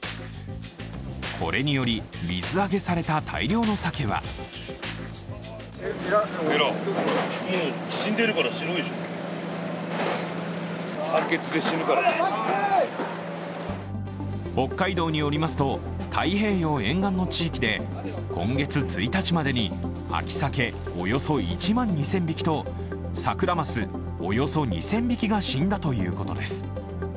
これにより、水揚げされた大量のサケは北海道によりますと、太平洋沿岸の地域で今月１日までに、秋サケおよそ１万２０００匹とサクラマスおよそ２０００匹が死んだということです。